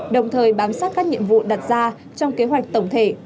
đồng thời bám sát các nhiệm vụ đặt ra trong kế hoạch tổng thể